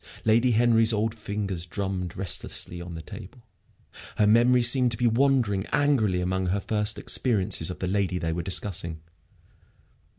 Lady Henry's old fingers drummed restlessly on the table. Her memory seemed to be wandering angrily among her first experiences of the lady they were discussing.